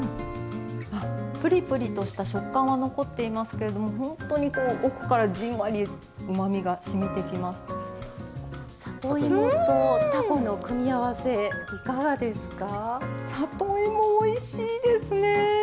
ぷりぷりとした食感は残っていますけど本当に奥からじんわりうまみが里芋と、たこの組み合わせ里芋、おいしいですね！